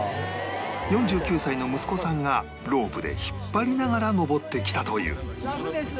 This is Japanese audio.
４９歳の息子さんがロープで引っ張りながら登ってきたという